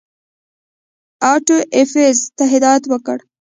آټو ایفز ته هدایت وکړ.